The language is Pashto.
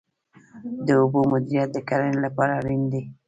د اوبو مدیریت د کرنې لپاره اړین دی